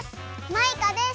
マイカです！